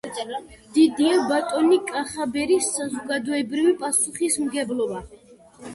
დიდია ბატონი კახაბერის საზოგადოებრივი პასუხისმგებლობა